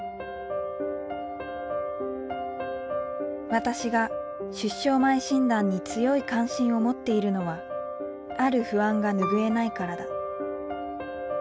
私が出生前診断に強い関心を持っているのはある不安が拭えないからだ。